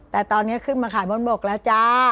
แต่ตอนนี้ขึ้นมาขายบนบกแล้วจ้า